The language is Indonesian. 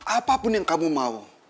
apapun yang kamu mau